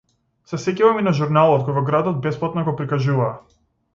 Се сеќавам и на журналот кој во градот бесплатно го прикажуваа.